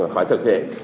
phải thực hiện